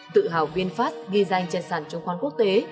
tự hào vinfast ghi danh trên sàn trông khoan quốc tế